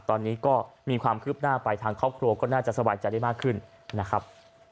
ตอนนี้ก็มีความคืบหน้าไปทางครอบครัวก็น่าจะสบายใจได้มากขึ้นนะครับ